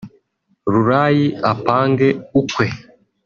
Rurayi apange ukwe